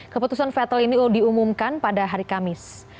keputusan fattle ini diumumkan pada hari kamis